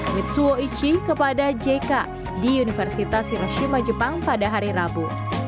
witsuo ichi kepada jk di universitas hiroshima jepang pada hari rabu